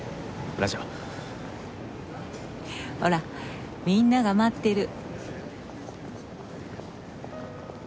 ほらみんなが待ってる。